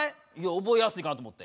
覚えやすいかなって思って。